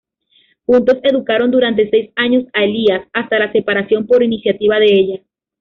Juntos educaron durante seis años a Elías, hasta la separación por iniciativa de ella.